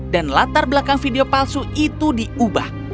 dan latar belakang video palsu itu diubah